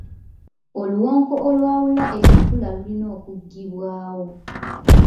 Oluwonko olwawula ekikula lulira okuggyibwawo.